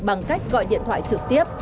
bằng cách gọi điện thoại trực tiếp